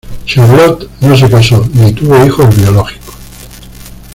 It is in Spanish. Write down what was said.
Charlotte no se casó, ni tuvo hijos biológicos.